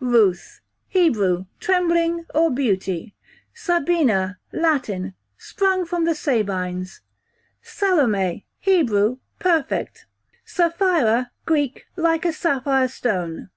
Ruth, Hebrew, trembling, or beauty. Sabina, Latin, sprung from the Sabines Salome, Hebrew, perfect. Sapphira, Greek, like a sapphire stone.